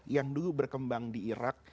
yang dulu berkembang di irak